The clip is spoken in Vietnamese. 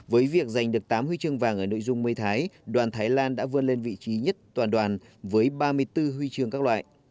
với việc giành được tám huy chương vàng ở nội dung mây thái đoàn thái lan đã vươn lên vị trí nhất toàn đoàn với ba mươi bốn huy chương các loại